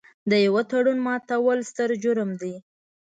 د یوه تړون ماتول ستر جرم دی.